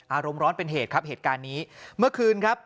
อารมณ์ร้อนเป็นเหตุครับเหตุการณ์นี้เมื่อคืนครับ